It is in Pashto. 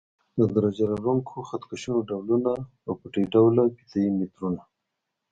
د درجه لرونکو خط کشونو ډولونه او پټۍ ډوله فیته یي مترونه.